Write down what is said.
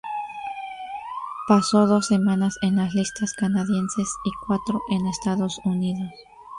Pasó doce semanas en las listas canadienses y cuatro en Estados Unidos.